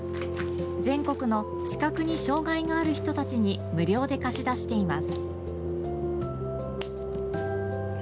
全国の視覚に障害がある人たちに無料で貸し出しています。